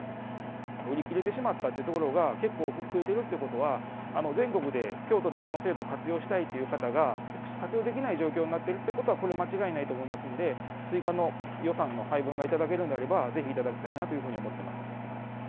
売り切れてしまったっていうところが結構増えてるってことは、全国で京都でこの制度を活用したいっていう方が活用できない状況になっているっていうことは、これは間違いないと思いますんで、追加の予算の配分がいただけるんであれば、ぜひ頂きたいなというふうに思ってます。